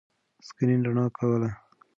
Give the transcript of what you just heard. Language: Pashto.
سکرین رڼا کوله.